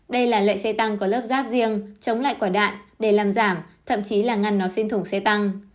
đây là loại xe tăng có lớp giáp riêng chống lại quả đạn để làm giảm thậm chí là ngăn nó xuyên thùng xe tăng